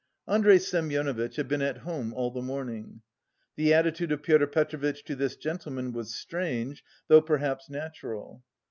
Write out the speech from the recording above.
Andrey Semyonovitch had been at home all the morning. The attitude of Pyotr Petrovitch to this gentleman was strange, though perhaps natural.